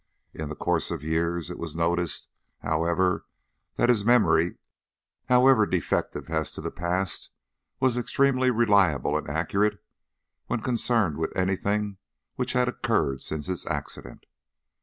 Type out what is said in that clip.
In the course of years it was noticed, however, that his memory, however defective as to the past, was extremely reliable and accurate when concerned with anything which had occurred since his accident.